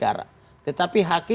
kalau hosn voices jadi hiraui